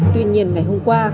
tuy nhiên ngày hôm qua